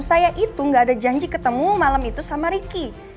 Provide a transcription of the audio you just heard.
saya itu gak ada janji ketemu malam itu sama ricky